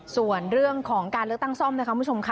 ส่วนเรื่องของการเลือกตั้งซ่อมนะคะคุณผู้ชมค่ะ